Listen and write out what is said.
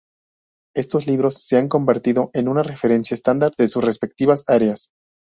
Estos libros se han convertido en una referencia estándar en sus respectivas áreas.